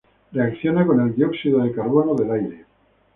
Reacciona con el dióxido de carbono del aire.